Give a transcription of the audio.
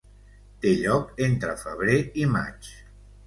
Té lloc entre febrer i maig.